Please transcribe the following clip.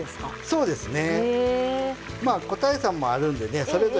そうですね。